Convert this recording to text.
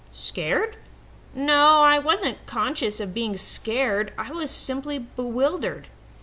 Scared? No, I wasn't conscious of being scared. I was simply bewildered.